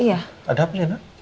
ada apa ya na